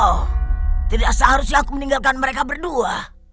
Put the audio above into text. oh tidak seharusnya aku meninggalkan mereka berdua